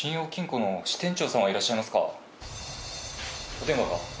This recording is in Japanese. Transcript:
☎お電話が。